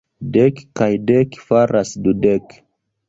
Dek kaj dek faras dudek.